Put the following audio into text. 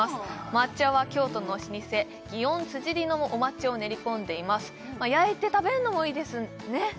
抹茶は京都の老舗祇園辻利のお抹茶を練り込んでいます焼いて食べるのもいいですね